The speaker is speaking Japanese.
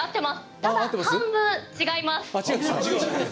ただ、半分違います。